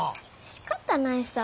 しかたないさ。